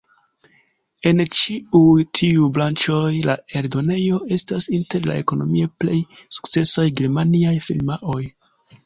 En ĉiuj tiuj branĉoj, la eldonejo estas inter la ekonomie plej sukcesaj germaniaj firmaoj.